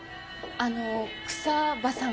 あの草葉さん。